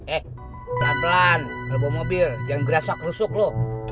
eh pelan pelan ngelebo mobil jangan gerasak rusuk loh